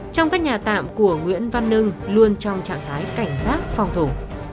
trong các nhà tạm của nguyễn văn nưng luôn trong trạng thái cảnh giác phòng thủ